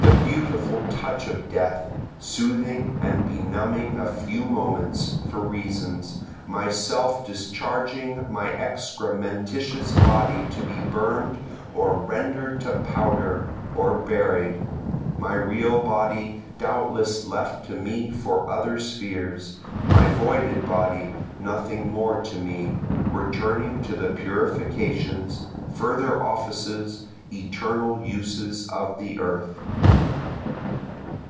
The beautiful touch of Death, soothing and benumbing a few moments, for reasons, Myself discharging my excrementitious body to be burn'd, or render'd to powder, or buried, My real body doubtless left to me for other spheres, My voided body nothing more to me, returning to the purifications, further offices, eternal uses of the earth.